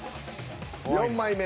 ４枚目。